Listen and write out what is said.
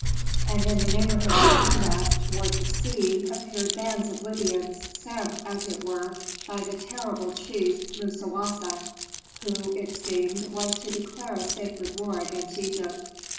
And in the neighborhood beyond that, toward the sea, appeared bands of Libyans, sent, as it were, by the terrible chief, Musawasa, who, it seemed, was to declare a sacred war against Egypt.